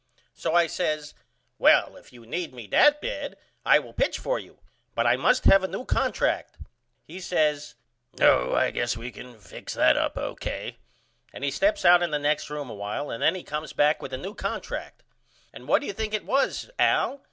So I says Well if you need me that bad I will pitch for you but I must have a new contract. He says Oh I guess we can fix that up O.K. and he steps out in the next room a while and then he comes back with a new contract. And what do you think it was Al?